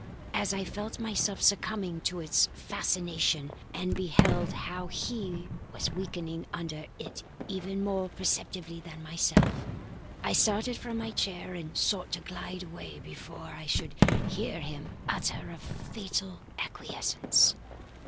As I felt myself succumbing to its fascination and beheld how he was weakening under it even more perceptibly than myself, I started from my chair, and sought to glide away before I should hear him utter a fatal acquiescence.